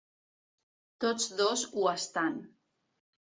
Tots dos ho estan.